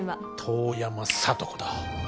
遠山聡子だ。